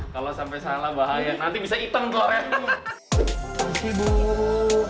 kalau sampai salah bahaya nanti bisa hitam telurnya